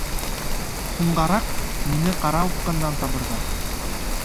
— Һуңғараҡ мине ҡара упҡындан табырҙар.